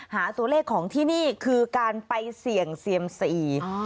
หาตัวเลขของที่นี่คือการไปเสี่ยงเซียมสี่